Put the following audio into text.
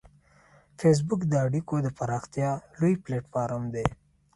فېسبوک د اړیکو د پراختیا لوی پلیټ فارم دی